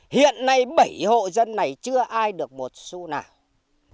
hiện nay bảy hộ dân này chưa ai được một su nào